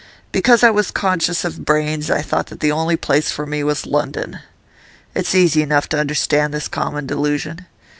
Because I was conscious of brains, I thought that the only place for me was London. It's easy enough to understand this common delusion.